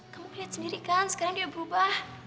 kamu lihat sendiri kan sekarang dia berubah